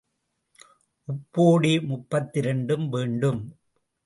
உப்போடே முப்பத்திரண்டும் வேண்டும்.